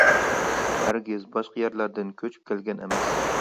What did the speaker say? ھەرگىز باشقا يەرلەردىن كۆچۈپ كەلگەن ئەمەس.